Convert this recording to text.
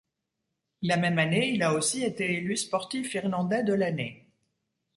La même année, il a aussi été élu sportif irlandais de l’année.